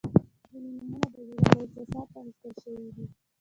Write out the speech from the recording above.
• ځینې نومونه د زړه له احساساتو اخیستل شوي دي.